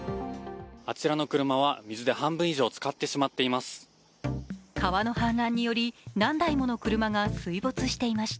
あちらの車は水で半分以上つかってしまっています。